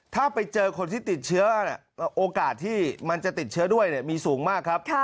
ถ้าไปเจอคนที่ติดเชื้อโอกาสที่มันจะติดเชื้อด้วยมีสูงมากครับ